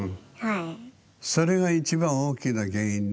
それが一番大きな原因ね。